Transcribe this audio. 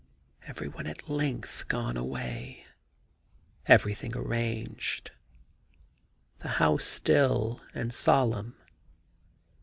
Every one at length gone away; everything arranged ; the house still and solemn.